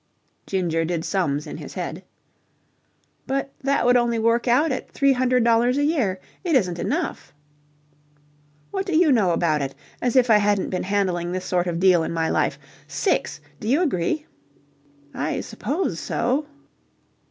Ginger did sums in his head. "But that would only work out at three hundred dollars a year. It isn't enough." "What do you know about it? As if I hadn't been handling this sort of deal in my life. Six! Do you agree?" "I suppose so."